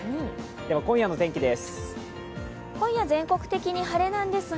今夜の天気です。